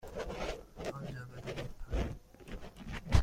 آنجا بروید پایین.